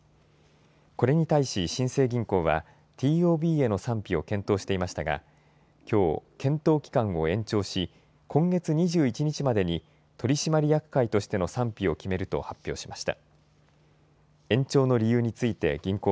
これに対し新生銀行はＴＯＢへの賛否を検討していましたがきょう、検討期間を延長し、今月２１日までに取締役会としての賛否を決めると発表しました。